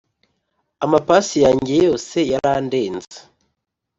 amapasi yanjye yose yarandenze